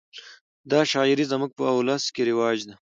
دا شاعري زموږ په اولس کښي رواج ده.